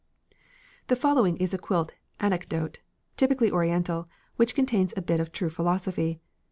The following is a quilt anecdote, typically oriental, which contains a bit of true philosophy.